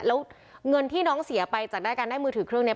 แล้วเงินที่น้องเสียไปจากได้การได้มือถือเครื่องนี้